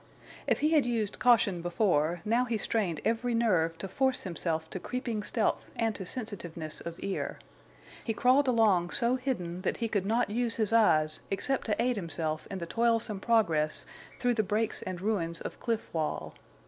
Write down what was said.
If he had used caution before, now he strained every nerve to force himself to creeping stealth and to sensitiveness of ear. He crawled along so hidden that he could not use his eyes except to aid himself in the toilsome progress through the brakes and ruins of cliff wall.